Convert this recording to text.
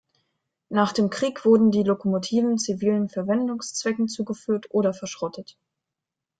Nach dem Krieg wurden die Lokomotiven zivilen Verwendungszwecken zugeführt oder verschrottet.